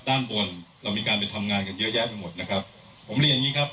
ด้านบนเรามีการไปทำงานกันเยอะแยะไปหมดนะครับผมเรียนอย่างงี้ครับ